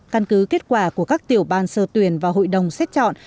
căn cứ kết quả của các tiểu ban sơ tuyển và hội đồng xét chọn